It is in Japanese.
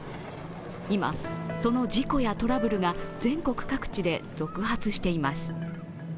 今、その事故やトラブルが全国各地で続発しています。